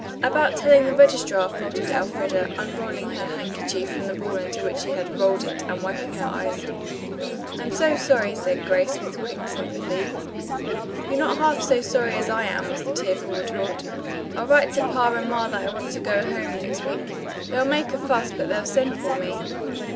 "About telling the registrar," faltered Elfreda, unrolling her handkerchief from the ball into which she had rolled it and wiping her eyes. "I'm so sorry," Grace said with quick sympathy. "You're not half so sorry as I am," was the tearful retort. "I'll write to Pa and Ma that I want to go home next week. They'll make a fuss, but they'll send for me."